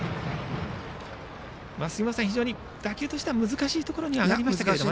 杉本さん、非常に打球としては難しいところに上がりましたかね。